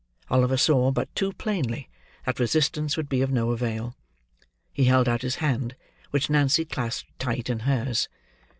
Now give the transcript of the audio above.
Oliver saw, but too plainly, that resistance would be of no avail. He held out his hand, which Nancy clasped tight in hers.